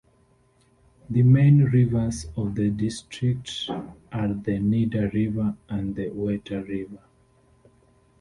The main rivers of the district are the Nidda River and the Wetter River.